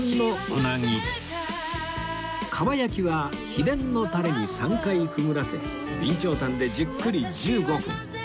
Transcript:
かば焼きは秘伝のタレに３回くぐらせ備長炭でじっくり１５分